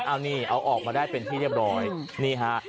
เอานี่เอาออกมาได้เป็นที่เรียบร้อยนี่ฮะ